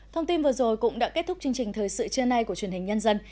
thông tin vừa rồi cũng đã kết thúc chương trình thời sự trưa nay của truyền hình nhân dân